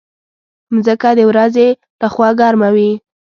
مځکه د ورځې له خوا ګرمه وي.